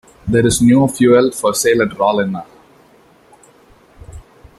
There is no fuel for sale at Rawlinna.